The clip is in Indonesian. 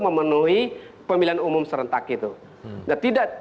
memenuhi pemilihan umum serentaknya